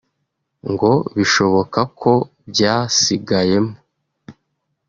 ngo bishoboka ko byasigayemo